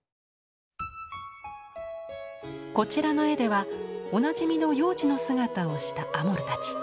こちらの絵ではおなじみの幼児の姿をしたアモルたち。